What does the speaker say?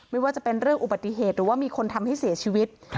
ไม่ว่าจะเป็นเรื่องอุบัติเหตุหรือว่ามีคนทำให้เสียชีวิต